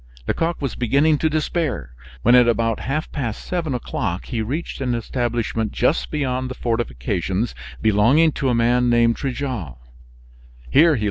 Lecoq was beginning to despair, when at about half past seven o'clock he reached an establishment just beyond the fortifications belonging to a man named Trigault.